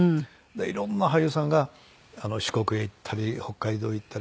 いろんな俳優さんが四国へ行ったり北海道へ行ったり。